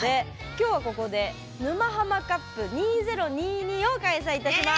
今日はここで「沼ハマカップ２０２２」を開催いたします。